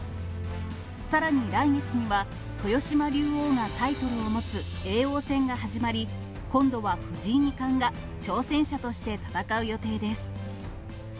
さらに来月には、豊島竜王がタイトルを持つ叡王戦が始まり、今度は藤井二冠が挑戦者として戦う予定です。